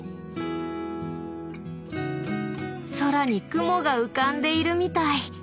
空に雲が浮かんでいるみたい。